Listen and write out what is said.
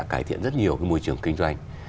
cải thiện rất nhiều cái môi trường kinh doanh